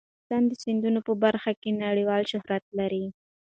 افغانستان د سیندونه په برخه کې نړیوال شهرت لري.